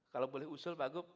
kalau boleh usul bagup di mrt